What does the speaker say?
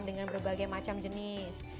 dengan berbagai macam jenis